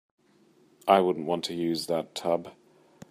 I wouldn't want to use that tub.